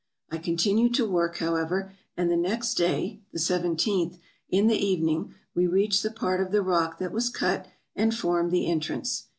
I continued the work, however, and the next day, the 17th, in the evening, we reached the part of the rock that was cut and formed the entrance.